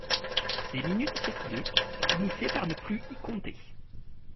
Les minutes s’écoulaient, ils finissaient par ne plus y compter.